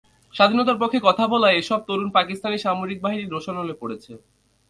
স্বাধীনতার পক্ষে কথা বলায় এসব তরুণ পাকিস্তানি সামরিক বাহিনীর রোষানলে পড়েছে।